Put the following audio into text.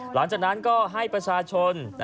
หลังจากนั้นก็ให้ประชาชน